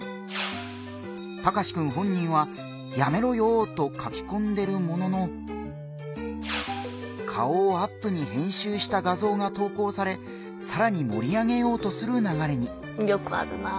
タカシくん本人は「やめろよー」と書きこんでるものの顔をアップに編集した画像が投稿されさらに盛り上げようとするながれに。